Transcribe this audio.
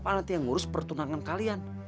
nanti yang ngurus pertunangan kalian